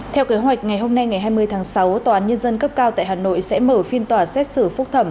theo kế hoạch ngày hôm nay ngày hai mươi tháng sáu tòa án nhân dân cấp cao tại hà nội sẽ mở phiên tòa xét xử phúc thẩm